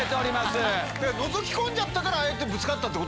のぞき込んじゃったからああやってぶつかった。